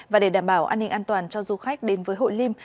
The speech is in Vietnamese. và để đảm bảo an ninh an toàn cho du khách đến với hội liêm